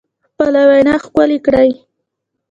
خپله وینا ښکلې کړئ